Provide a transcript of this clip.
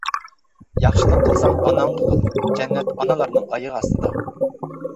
ياخشىلىق قىلساڭ ئاناڭغا قىل، جەننەت ئانىلارنىڭ ئايىغى ئاستىدا!